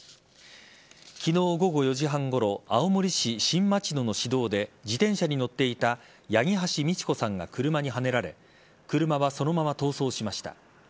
昨日午後４時半ごろ青森市新町野の市道で自転車に乗っていた八木橋道子さんが車にはねられ車はそのまま逃走しました。